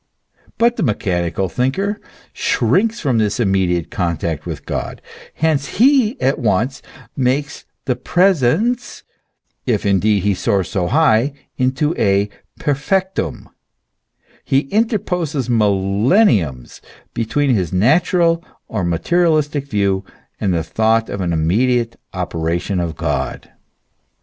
But the mechanical thinker shrinks from this immediate contact with God ; hence he at once makes the prcesens, if indeed he soars so high, into a perfectum ; he interposes millenniums between his natural or materialistic view and the thought of an immediate operation of God.